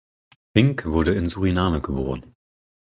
Vink wurde in Suriname geboren.